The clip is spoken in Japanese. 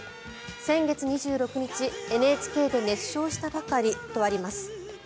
先月２６日、ＮＨＫで熱唱したばかりとあります。